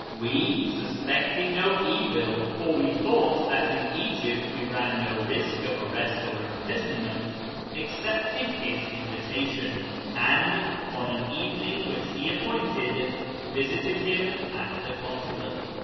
We, suspecting no evil (for we thought that in Egypt we ran no risk of arrest or imprisonment), accej)ted liis invitation, and, on an evening which he appointed, visited him at the consulate.